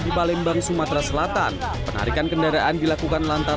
di palembang sumatera selatan penarikan kendaraan dilakukan lantaran